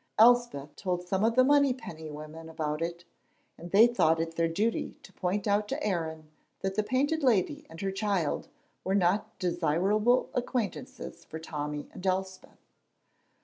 Elspeth told some of the Monypenny women about it, and they thought it their duty to point out to Aaron that the Painted Lady and her child were not desirable acquaintances for Tommy and Elspeth.